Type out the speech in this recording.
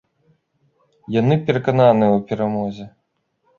Яны перакананыя ў перамозе.